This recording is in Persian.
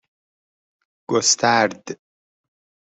گسترد